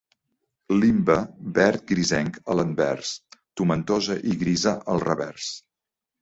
Limbe, verd grisenc a l'anvers, tomentosa i grisa al revers.